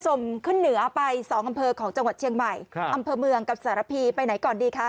ส่งขึ้นเหนือไปสองอำเภอของจังหวัดเชียงใหม่ครับอำเภอเมืองกับสารพีไปไหนก่อนดีคะ